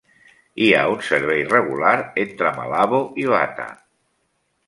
Hi ha un servei regular entre Malabo i Bata.